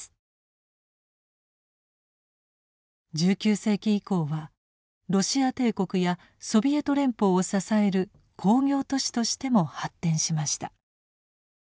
１９世紀以降はロシア帝国やソビエト連邦を支える工業都市としても発展しました。